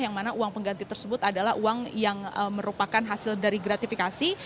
yang mana uang pengganti tersebut adalah uang yang merupakan hasil dari gratifikasi